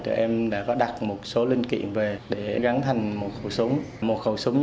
rồi em đã có đặt một số linh kiện về để gắn thành một khẩu súng